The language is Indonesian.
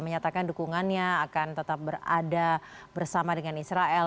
menyatakan dukungannya akan tetap berada bersama dengan israel